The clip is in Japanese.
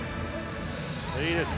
いいですね。